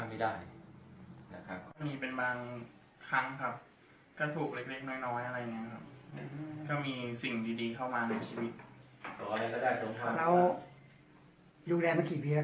มีเป็นบางครั้งครับก็ถูกเล็กน้อยอะไรอย่างงี้ครับ